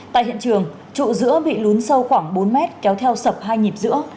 tại hiện trường trụ giữa bị lún sâu khoảng bốn mét kéo theo sập hai nhịp giữa